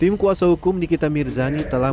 tim kuasa hukum nikita mirzani telah